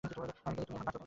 আমি গেলেই এখন তুমি বাঁচো।